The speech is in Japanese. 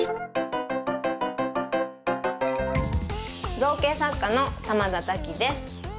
造形作家の玉田多紀です。